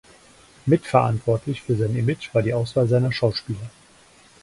Mitverantwortlich für sein Image war die Auswahl seiner Schauspieler.